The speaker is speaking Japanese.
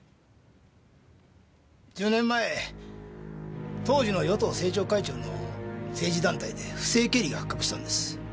１０年前当時の与党政調会長の政治団体で不正経理が発覚したんです。